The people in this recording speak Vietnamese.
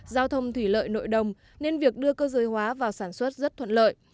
giao thông thủy lợi nội đồng nên việc đưa cơ giới hóa vào sản xuất rất thuận lợi